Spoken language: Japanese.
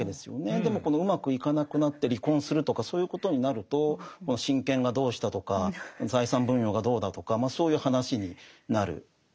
でもこのうまくいかなくなって離婚するとかそういうことになると親権がどうしたとか財産分与がどうだとかそういう話になる。